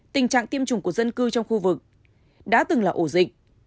tình trạng tiêm chủng của dân cư trong khu vực đã từng là ổ dịch